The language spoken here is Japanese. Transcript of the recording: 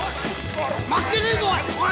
負けねえぞおい！